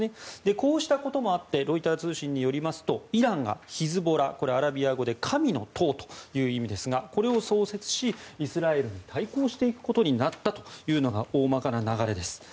こうしたこともあってロイター通信によりますとイランがヒズボラ、アラビア語で神の党という意味ですがこれを創設し、イスラエルに対抗していくことになったのが大まかな流れです。